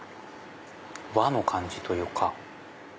和の感じというか。